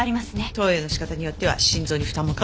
投与の仕方によっては心臓に負担もかかる。